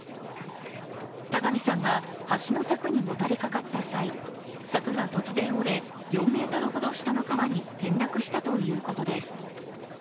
田上さんが橋の柵にもたれかかった際、柵が突然折れ、４ｍほど下の川に転落したということです。